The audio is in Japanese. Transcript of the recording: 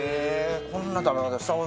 こんな食べ方した事ない。